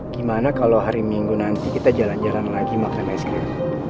gimana kalau hari minggu nanti kita jalan jalan lagi makan es krim